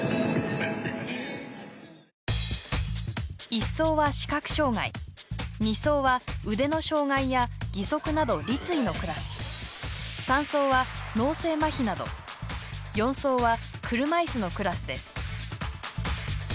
１走は視覚障がい２走は腕の障がいや義足など立位のクラス３走は脳性まひなど４走は車いすのクラスです。